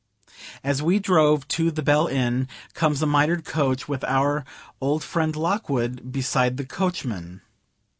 As we drove to the "Bell" Inn comes a mitred coach with our old friend Lockwood beside the coachman.